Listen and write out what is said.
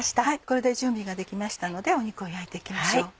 これで準備ができましたので肉を焼いて行きましょう。